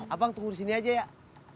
abang tunggu di sini aja ya